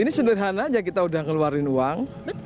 ini sederhana aja kita udah ngeluarin uang